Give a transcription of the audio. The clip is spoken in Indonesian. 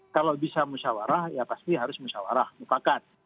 kalau bisa musyawara ya pasti harus musyawara mufakat